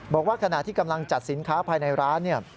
บอกว่าขณะที่กำลังจัดสินค้าภายในร้านเนี่ย